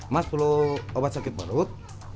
mas perlu obat sakit perut